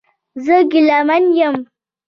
زه ګیلمن یم